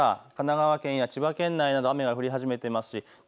神奈川県や千葉県内など雨が降り始めています。